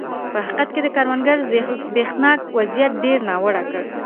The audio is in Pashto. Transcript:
په حقیقت کې د کروندګرو زبېښاک وضعیت ډېر ناوړه کړ.